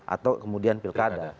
atau kemudian pilkada